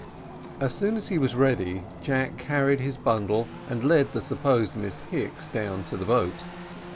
As soon as he was ready, Jack carried his bundle and led the supposed Miss Hicks down to the boat.